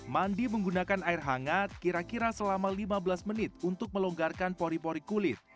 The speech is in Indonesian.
mandi menggunakan air hangat kira kira selama lima belas menit untuk melonggarkan pori pori kulit